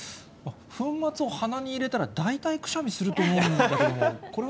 粉末を鼻に入れたら、大体くしゃみすると思うんだけれども、これは？